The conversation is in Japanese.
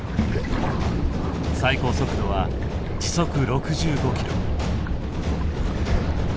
最高速度は時速６５ｋｍ。